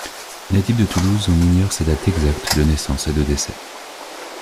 Natif de Toulouse, on ignore ses dates exactes de naissance et de décès.